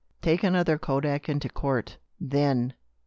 Take another kodak into court, then.